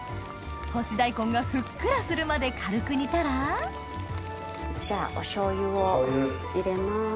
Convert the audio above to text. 干し大根がふっくらするまで軽く煮たらじゃあお醤油を入れます。